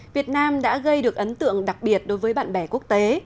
việt nam đã gây được ấn tượng đặc biệt đối với bạn bè quốc tế